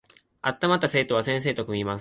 あまった生徒は先生と組みます